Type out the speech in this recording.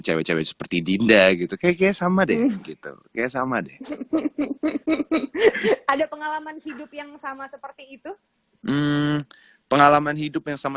cewek cewek seperti dinda gitu kayaknya sama deh gitu ya sama deh ada pengalaman hidup yang sama